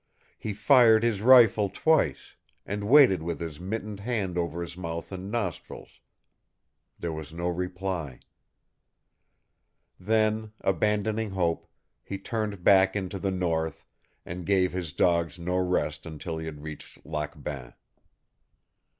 He fired his rifle twice, and waited with his mittened hand over his mouth and nostrils. There was no reply. Then, abandoning hope, he turned back into the north, and gave his dogs no rest until he had reached Lac Bain.